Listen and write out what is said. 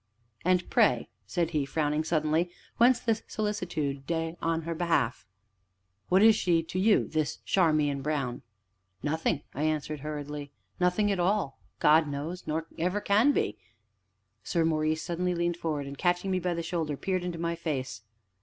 "And pray," said he, frowning suddenly, "whence this solicitude on her behalf? What is she to you this Charmian Brown?" "Nothing," I answered hurriedly, "nothing at all, God knows nor ever can be " Sir Maurice leaned suddenly forward, and, catching me by the shoulder, peered into my face.